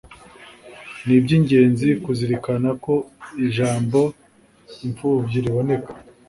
ni iby ingenzi kuzirikana ko ijambo imfubyi riboneka